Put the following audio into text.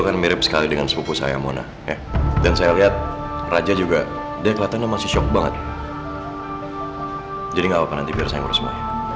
sampai jumpa di video selanjutnya